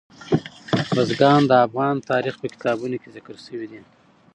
بزګان د افغان تاریخ په کتابونو کې ذکر شوی دي.